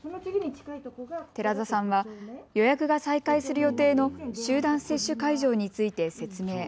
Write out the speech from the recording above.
寺田さんは予約が再開する予定の集団接種会場について説明。